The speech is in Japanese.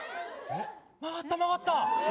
曲がった曲がった！